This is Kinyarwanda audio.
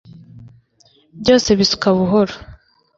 Byose bisuka buhoro